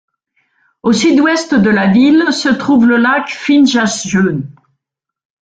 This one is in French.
Au sud-ouest de la ville se trouve le lac Finjasjön.